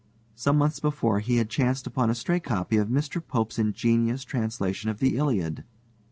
Some months before he had chanced upon a stray copy of Mr. Pope's ingenious translation of the ILIAD.